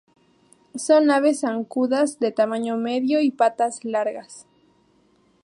Son aves zancudas de tamaño medio y patas largas.